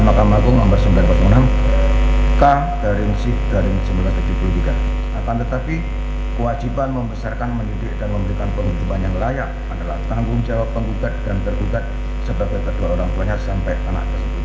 akan membuat mereka terlalu berkecerdasan